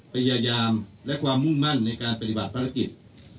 พยายามและความมุ่งมั่นในการปฏิบัติภารกิจ